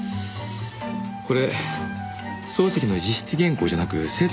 これ漱石の自筆原稿じゃなく生徒の書簡とあります。